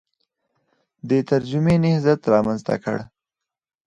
د ترجمې نهضت رامنځته کړ